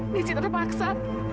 des itu terpaksa